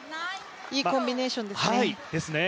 いいコンビネーションですね。